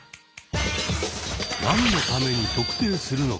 何のために「特定」するのか。